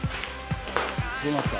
どうなった？